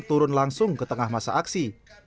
turun langsung ke tengah masa aksi